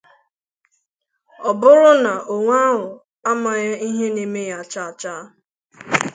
Ọ bụrụ na onwe ahụ amaghị ihe na-eme ya cháá-cháá